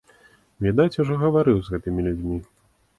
Відаць, ужо гаварыў з гэтымі людзьмі.